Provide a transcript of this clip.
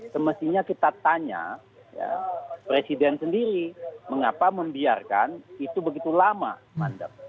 semestinya kita tanya presiden sendiri mengapa membiarkan itu begitu lama mandat